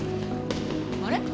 あれ？